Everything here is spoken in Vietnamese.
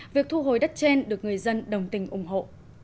việc thu hồi đất trên được người dân đồng tình ủng hộ